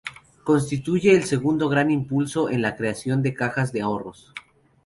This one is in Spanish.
Constituye el segundo gran impulso en la creación de cajas de ahorros.